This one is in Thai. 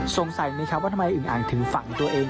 สงสัยไหมครับว่าทำไมอึงอ่างถึงฝังตัวเอง